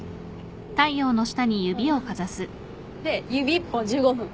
で指一本１５分。